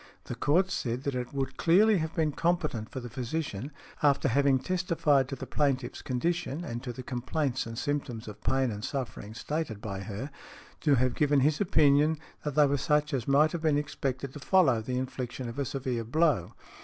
The Court said that it would clearly have been competent for the physician, after having testified to the plaintiff's condition and to the complaints and symptoms of pain and sufferings stated by her, to have given his opinion that they were such as might have been expected to follow the infliction of a severe blow.